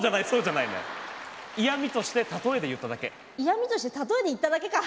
嫌みとして例えで言っただけか！